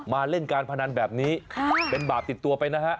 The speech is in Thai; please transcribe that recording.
เล่นการพนันแบบนี้เป็นบาปติดตัวไปนะฮะ